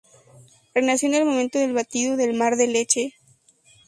Renació en el momento del batido del mar de leche.